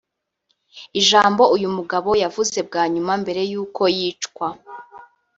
Ijambo uyu mugabo yavuze bwa nyuma mbere y’uko yicwa